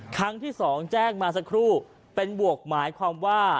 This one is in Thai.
ครั้งที่สองแจ้งมาสักครู่เป็นบวกหมายความว่า